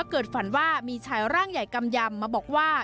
เกิดฝันว่ามีชายร่างใหญ่กำยำมาบอกว่า